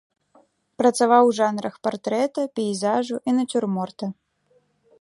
Працаваў у жанрах партрэта, пейзажу і нацюрморта.